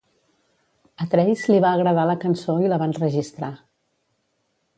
A Trace li va agradar la cançó i la va enregistrar.